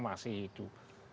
sampai sekarang masih hidup